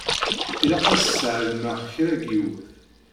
Ilaq ad sɛelmeɣ kra n yiwet.